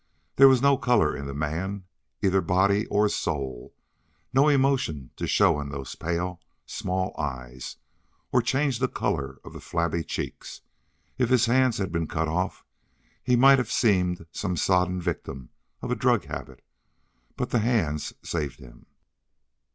There was no color in the man, either body or soul. No emotion could show in those pale, small eyes or change the color of the flabby cheeks. If his hands had been cut off, he might have seemed some sodden victim of a drug habit, but the hands saved him.